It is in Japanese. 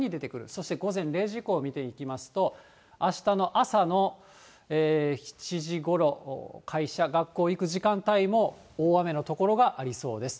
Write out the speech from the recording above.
そして午前０時以降を見ていきますと、あしたの朝の７時ごろ、会社、学校行く時間帯も大雨の所がありそうです。